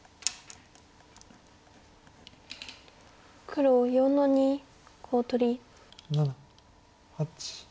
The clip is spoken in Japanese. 黒４の二コウ取り。